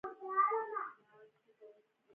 _د کوچيانو ژوند سخت دی.